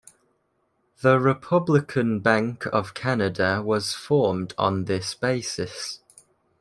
The Republican Bank of Canada was formed on this basis.